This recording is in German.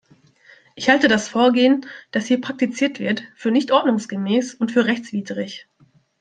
Ich halte das Vorgehen, das hier praktiziert wird, für nicht ordnungsgemäß und für rechtswidrig.